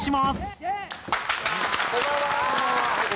はいこんばんは。